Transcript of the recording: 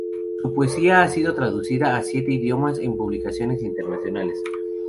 Su poesía ha sido traducida a siete idiomas en publicaciones internacionales.